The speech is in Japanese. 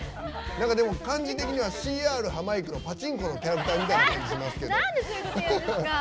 でも、感じ的にはＣＲハマいくのパチンコのキャラクターみたいですけど。